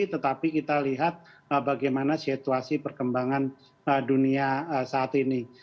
tetapi kita lihat bagaimana situasi perkembangan dunia saat ini